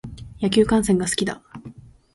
野球観戦が好きだ。